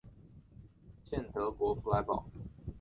现德国弗莱堡音乐学院低音提琴教授。